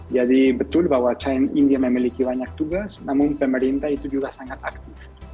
jadi betul bahwa india memiliki banyak tugas namun pemerintah itu juga sangat aktif